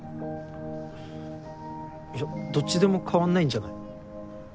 いやどっちでも変わんないんじゃない？